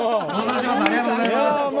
ありがとうございます。